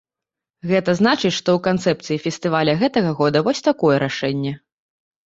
Гэта значыць, што ў канцэпцыі фестываля гэтага года вось такое рашэнне.